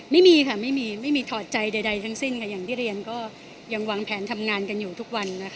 ไม่มีค่ะไม่มีไม่มีถอดใจใดทั้งสิ้นค่ะอย่างที่เรียนก็ยังวางแผนทำงานกันอยู่ทุกวันนะคะ